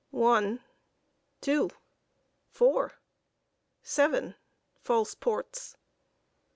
"One—two—four—seven, false ports."